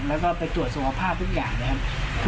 แล้วก็ไปตรวจสุขภาพทุกอย่างนะครับ